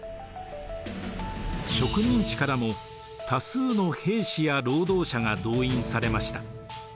植民地からも多数の兵士や労働者が動員されました。